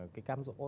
cái cám rỗ